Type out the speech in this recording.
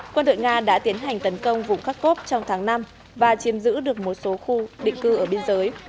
quân đội nga đã tiến hành tấn công vùng kharkov trong tháng năm và chiếm giữ được một số khu định cư ở biên giới